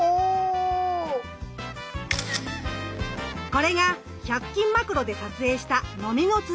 これが１００均マクロで撮影したノミノツヅリ。